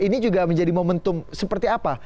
ini juga menjadi momentum seperti apa